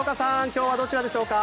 今日はどちらでしょうか。